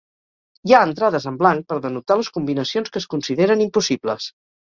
Hi ha entrades en blanc per denotar les combinacions que es consideren impossibles.